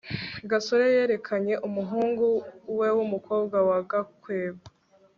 gasore yerekanye umuhungu we wumukobwa wa gakwego